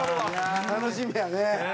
楽しみやね！